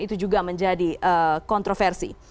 itu juga menjadi kontroversi